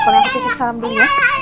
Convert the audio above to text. kalau aku tutup salam dulu